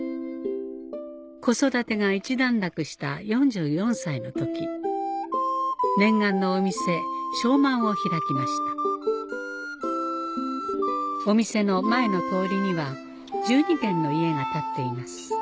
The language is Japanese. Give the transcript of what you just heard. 子育てが一段落した４４歳の時念願のお店昌万を開きましたお店の前の通りには１２軒の家が立っています